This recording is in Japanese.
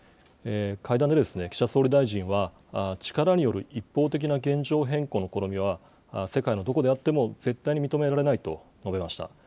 会談で岸田総理大臣は、力による一方的な現状変更の試みは、世界のどこであっても絶対に認められないと述べました。